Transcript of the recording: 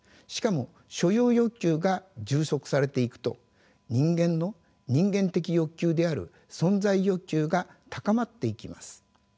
しかも所有欲求が充足されていくと人間の人間的欲求である存在欲求が高まっていきます。